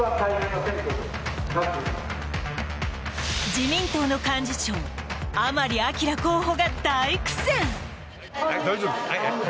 自民党の幹事長、甘利明候補が大苦戦。